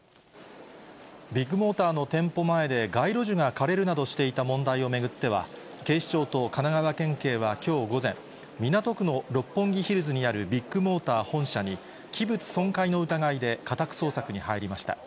ビッグモーターの店舗前で街路樹が枯れるなどしていた問題を巡っては、警視庁と神奈川県警はきょう午前、港区の六本木ヒルズにあるビッグモーター本社に、器物損壊の疑いで家宅捜索に入りました。